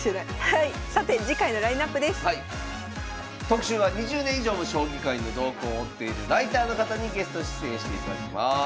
特集は２０年以上も将棋界の動向を追っているライターの方にゲスト出演していただきます。